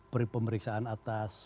peri pemeriksaan atas